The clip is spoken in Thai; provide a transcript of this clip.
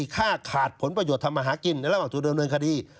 ค่าขาดผลประโยชน์ทำมาหากินในระหว่างตัวเดิมเนินคดี